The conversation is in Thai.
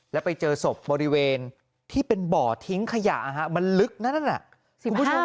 แล้วไปเจอศพบริเวณที่เป็นบ่อทิ้งขยะมันลึกนั่นน่ะสิคุณผู้ชม